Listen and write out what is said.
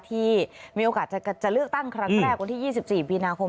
ที่มีโอกาสจะเลือกตั้งครั้งแรกวันที่๒๔มีนาคม